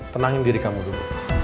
tenangkan diri kamu dulu